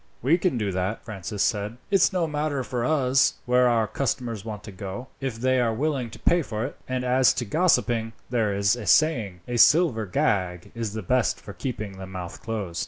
"We can do that," Francis said. "It's no matter to us where our customers want to go, if they are willing to pay for it; and as to gossiping, there is a saying, 'A silver gag is the best for keeping the mouth closed.'"